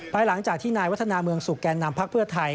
หลังจากที่นายวัฒนาเมืองสุขแก่นำพักเพื่อไทย